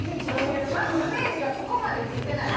まずイメージがそこまでついてない！